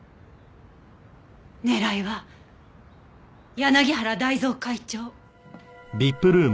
狙いは柳原大造会長。